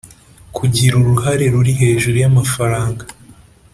Kugira uruhare ruri hejuru y amafaranga